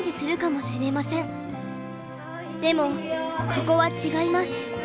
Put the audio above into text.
でもここは違います。